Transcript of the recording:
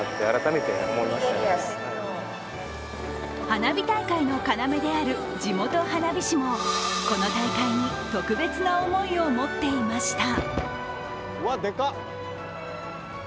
花火大会の要である地元花火師もこの大会に特別な思いを持っていました。